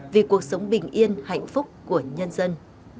vì cuộc sống bình yên hạnh phúc của nhân dân